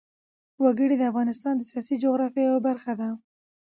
وګړي د افغانستان د سیاسي جغرافیه یوه برخه ده.